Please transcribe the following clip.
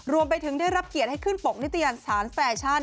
รวมไปถึงได้รับเกียรติให้ขึ้นปกนิตยันสารแฟชั่น